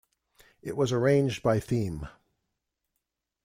It was arranged by theme.